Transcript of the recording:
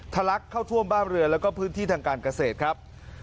ลักเข้าท่วมบ้านเรือแล้วก็พื้นที่ทางการเกษตรครับ